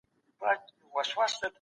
کمپيوټر د زده کړي نړۍ ده.